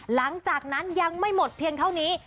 หลังจากนั้นยังไม่หมดเพียงเท่านี้